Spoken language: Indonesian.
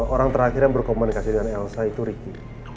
orang terakhir yang berkomunikasi dengan elsa itu ricky